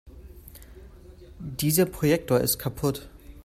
Dieser Projektor ist kaputt.